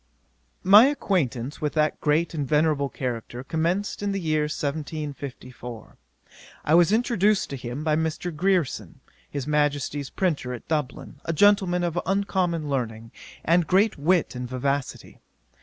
'My acquaintance with that great and venerable character commenced in the year 1754. I was introduced to him by Mr. Grierson, his Majesty's printer at Dublin, a gentleman of uncommon learning, and great wit and vivacity.